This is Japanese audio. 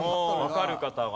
わかる方は？